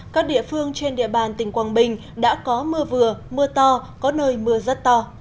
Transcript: các địa phương trên địa bàn tỉnh quảng bình đã có mưa vừa mưa to có nơi mưa rất to